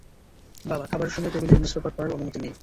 বাবা, খাবারের সময় টেবিলে নিউজপেপার পড়ার অনুমতি নেই।